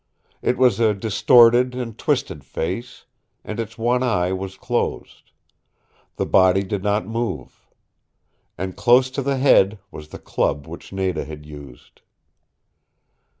It was a distorted and twisted face, and its one eye was closed. The body did not move. And close to the head was the club which Nada had used.